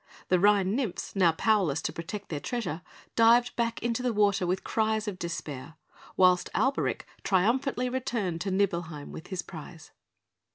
The Rhine nymphs, now powerless to protect their treasure, dived back into the water with cries of despair, whilst Alberic triumphantly returned to Nibelheim with his prize.